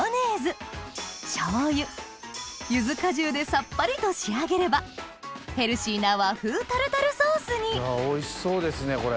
ここにでさっぱりと仕上げればヘルシーな和風タルタルソースにおいしそうですねこれ。